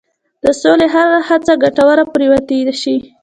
د سولې هره هڅه ګټوره پرېوتای شي.